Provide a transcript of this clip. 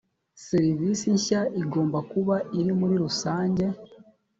serivisi nshya igomba kuba iri muri rusange